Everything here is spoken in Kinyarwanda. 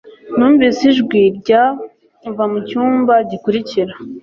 Numvise ijwi rya va mucyumba gikurikira